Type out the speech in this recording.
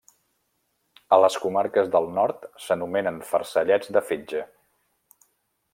A les comarques del nord s'anomenen farcellets de fetge.